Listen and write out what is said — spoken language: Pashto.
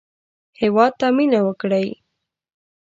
هېواد ته مېنه وکړئ